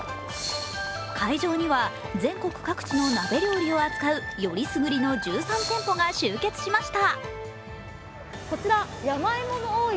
会場には全国各地の鍋料理を扱うよりすぐりの１３店舗が集結しました。